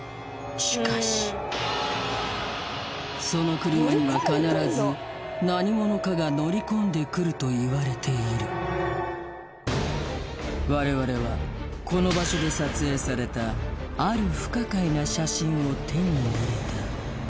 しかしその車には必ずといわれている我々はこの場所で撮影されたある不可解な写真を手に入れた